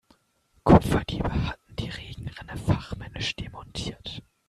Kupferdiebe hatten die Regenrinne fachmännisch demontiert.